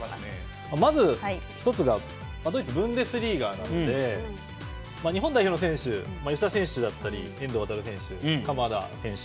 まず、１つがドイツ、ブンデスリーガなので日本代表の選手は吉田選手だったり遠藤航選手、鎌田選手